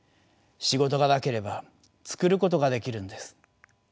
仕事がなければ作ることができるんです。